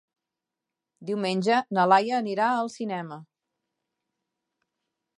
Diumenge na Laia anirà al cinema.